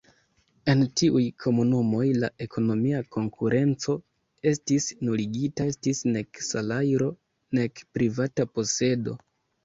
En tiuj komunumoj la ekonomia konkurenco estis nuligita, estis nek salajro nek privata posedo.